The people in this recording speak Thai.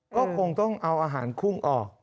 ก็คงต้องเอาอาหารกุ้งออก